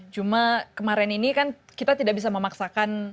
cuma kemarin ini kan kita tidak bisa memaksakan